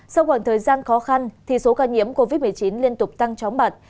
sau khoảng thời gian khó khăn số ca nhiễm covid một mươi chín liên tục tăng tróng bật